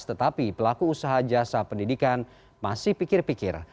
tetapi pelaku usaha jasa pendidikan masih pikir pikir